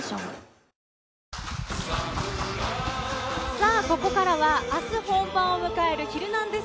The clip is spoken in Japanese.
さあ、ここからは、あす本番を迎えるヒルナンデス！